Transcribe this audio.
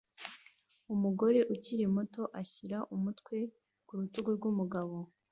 Umugore ukiri muto ashyira umutwe ku rutugu rw'umugabo